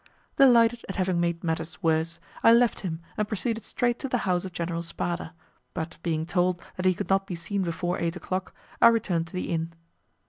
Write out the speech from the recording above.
Delighted at having made matters worse, I left him and proceeded straight to the house of General Spada, but being told that he could not be seen before eight o'clock, I returned to the inn.